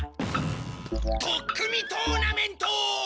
取っ組みトーナメント！